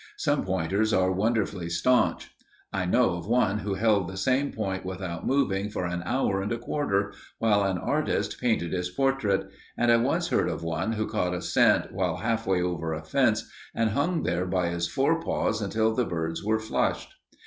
Some pointers are wonderfully stanch. I knew of one who held the same point without moving for an hour and a quarter, while an artist painted his portrait, and I once heard of one who caught a scent while halfway over a fence, and hung there by his fore paws till the birds were flushed.